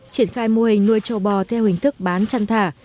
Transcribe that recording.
triển khai mô hình nuôi trâu bò theo hình thức bán chăn thả